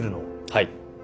はい！